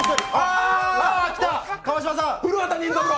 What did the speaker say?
「古畑任三郎」？